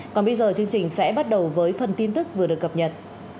còn bây giờ chương trình sẽ bắt đầu với phần tin tức vừa được cập nhật